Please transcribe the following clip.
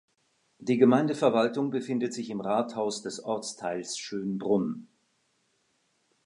Die Gemeindeverwaltung befindet sich im Rathaus des Ortsteils Schönbrunn.